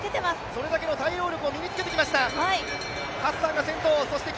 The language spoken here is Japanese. それだけの対応力を身につけてきました。